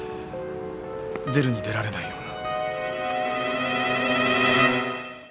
出るに出られないような。